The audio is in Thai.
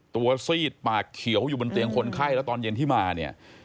ซีดปากเขียวอยู่บนเตียงคนไข้แล้วตอนเย็นที่มาเนี่ย